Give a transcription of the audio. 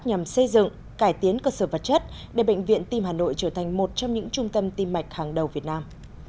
nhằm xây dựng cải tiến cơ sở vật chất để bệnh viện tim hà nội trở thành một trong những trung tâm tim mạch hàng đầu việt nam